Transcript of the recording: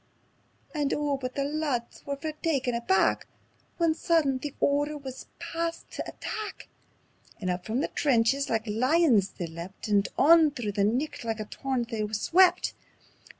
_" And oh but the lads were fair taken aback; Then sudden the order wis passed tae attack, And up from the trenches like lions they leapt, And on through the nicht like a torrent they swept.